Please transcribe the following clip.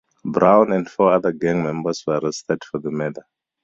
Brown and four other gang members were arrested for the murder.